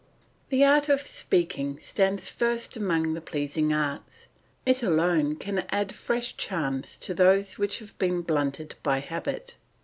The art of speaking stands first among the pleasing arts; it alone can add fresh charms to those which have been blunted by habit.